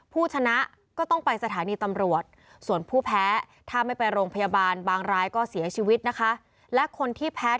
ผู้ชนะก็ต้องไปสถานีตำรวจส่วนผู้แพ้ถ้าไม่ไปโรงพยาบาลบางรายก็เสียชีวิตนะคะและคนที่แพ้